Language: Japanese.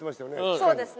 そうですね。